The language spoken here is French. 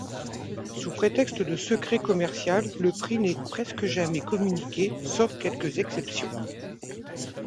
Sous prétexte de secret commercial, le prix n'est presque jamais communiqué sauf quelques exceptions.